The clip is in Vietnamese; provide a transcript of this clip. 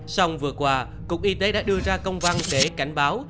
sông vừa qua cục y tế đã đưa ra công văn để cảnh báo